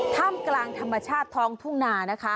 ถ้ำกลางธรรมชาติท้องทุ่งนานะคะ